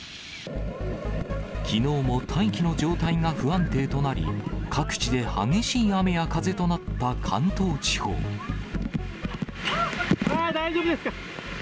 きのうも大気の状態が不安定となり、各地で激しい雨や風となった大丈夫ですか。